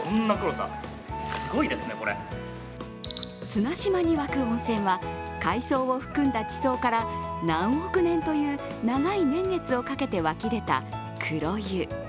綱島に湧く温泉は海藻を含んだ地層から何億年という長い年月をかけて湧き出た黒湯。